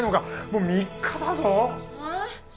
もう３日だぞはあ？